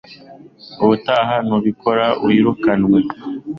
Ubutaha nubikora wirukanwe